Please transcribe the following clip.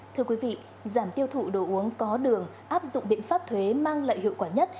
thưa quý vị giảm tiêu thụ đồ uống có đường áp dụng biện pháp thuế mang lại hiệu quả nhất